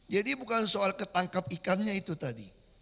jadi bukan soal ketangkap ikannya itu tadi